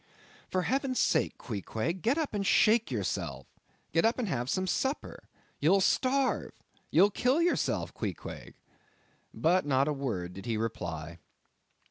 "For heaven's sake, Queequeg, get up and shake yourself; get up and have some supper. You'll starve; you'll kill yourself, Queequeg." But not a word did he reply.